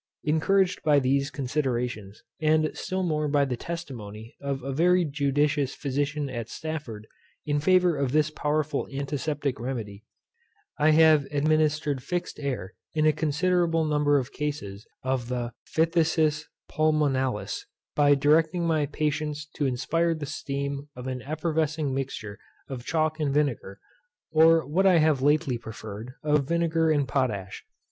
Encouraged by these considerations, and still more by the testimony of a very judicious Physician at Stafford, in favour of this powerful antiseptic remedy, I have administered fixed air in a considerable number of cases of the PHTHISIS PULMONALIS, by directing my patients to inspire the steams of an effervescing mixture of chalk and vinegar; or what I have lately preferred, of vinegar and potash.